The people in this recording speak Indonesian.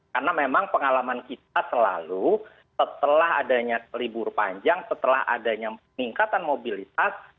karena memang pengalaman kita selalu setelah adanya libur panjang setelah adanya peningkatan mobilitas